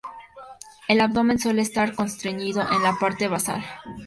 El abdomen suele estar constreñido en la parte basal.